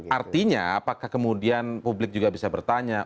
artinya apakah kemudian publik juga bisa bertanya